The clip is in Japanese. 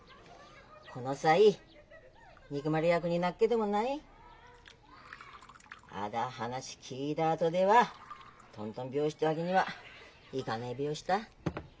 この際憎まれ役になっけどもないあだ話聞いたあとではとんとん拍子ってわけにはいかねえべよした。